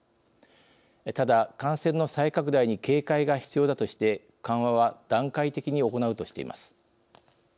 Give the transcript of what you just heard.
ただ、感染の再拡大に警戒が必要だとして緩和は段階的に行うとしています。